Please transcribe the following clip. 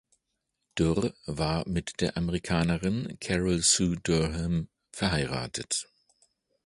Dürr war mit der Amerikanerin Carol Sue Durham verheiratet.